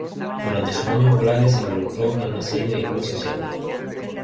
Durante sus años escolares se involucró en una serie de clubes sociales.